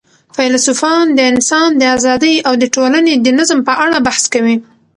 فیلسوفان د انسان د آزادۍ او د ټولني د نظم په اړه بحث کوي.